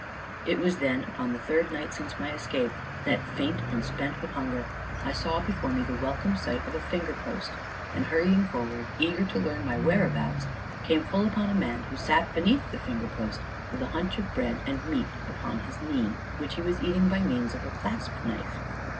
It was, then, upon the third night since my escape that, faint and spent with hunger, I saw before me the welcome sight of a finger post, and hurrying forward, eager to learn my whereabouts, came full upon a man who sat beneath the finger post, with a hunch of bread and meat upon his knee, which he was eating by means of a clasp knife.